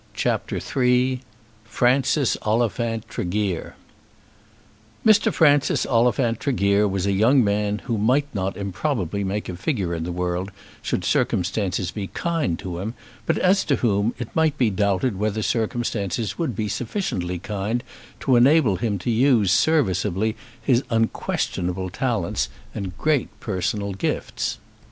CHAPTER III Francis Oliphant Tregear Mr. Francis Oliphant Tregear was a young man who might not improbably make a figure in the world, should circumstances be kind to him, but as to whom it might be doubted whether circumstances would be sufficiently kind to enable him to use serviceably his unquestionable talents and great personal gifts.